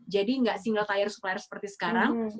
jadi gak single tire supplier seperti sekarang